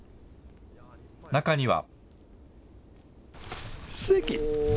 中には。